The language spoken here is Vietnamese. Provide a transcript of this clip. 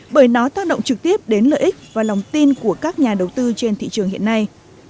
bởi nó tác động trực tiếp đến lợi ích và lòng tin của các nhà đầu tư trên thị trường hiện nay